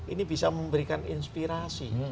ini bisa memberikan inspirasi